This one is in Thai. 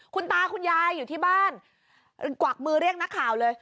คุณตาคุณยายอยู่ที่บ้านกวักมือเรียกนักข่าวเลย